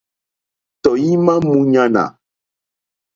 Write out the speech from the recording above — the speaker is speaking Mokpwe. Tɔ̀ímá mǃúɲánà.